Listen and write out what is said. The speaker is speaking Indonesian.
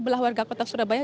belah warga kota surabaya